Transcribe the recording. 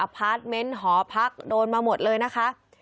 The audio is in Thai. พาร์ทเมนต์หอพักโดนมาหมดเลยนะคะ